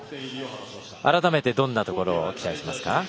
改めてどんなところを期待しますか？